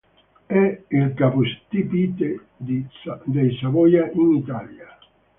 È il capostipite dei Savoia in Italia.